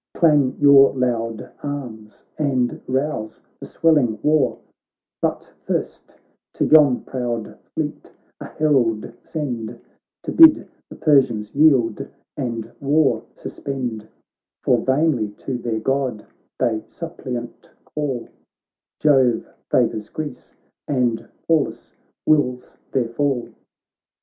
Clang your loud arms, and rouse the swelling war : But first to yon proud fleet a herald send To bid the Persians yield, and war sus pend ; For vainly to their God they suppliant call, Jove favours Greece, and Pallas wills their fall."